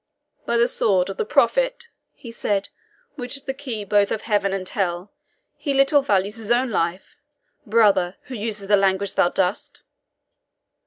"By the sword of the Prophet," he said, "which is the key both of heaven and hell, he little values his own life, brother, who uses the language thou dost!